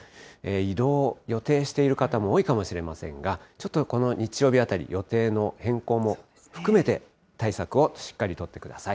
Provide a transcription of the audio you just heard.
移動を予定している方も多いかもしれませんが、ちょっとこの日曜日あたり、予定の変更も含めて、対策をしっかり取ってください。